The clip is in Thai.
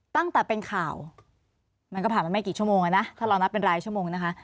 ตั้งแต่เป็นข่าวมันก็ผ่านมาไม่กี่ชั่วโมงอ่ะนะถ้าเรานับเป็นรายชั่วโมงนะคะ